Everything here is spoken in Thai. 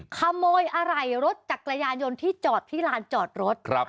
ขโมยอาลัยรถจากกระยานยนต์ที่จอดพี่รานจอดรถ